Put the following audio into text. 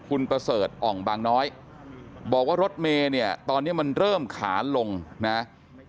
คุณประเสริฐอ่องบางน้อยบอกว่ารถเมย์เนี่ยตอนนี้มันเริ่มขาลงนะ